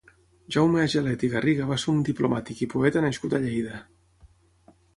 Jaume Agelet i Garriga va ser un diplomàtic i poeta nascut a Lleida.